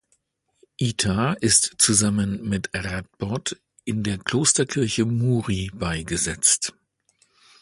Ita ist zusammen mit Radbot in der Klosterkirche Muri beigesetzt.